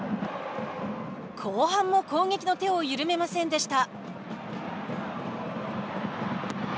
後半も攻撃の手を緩めませんでした。